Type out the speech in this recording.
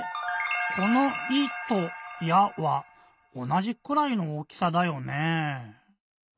この「い」と「や」はおなじくらいの大きさだよね？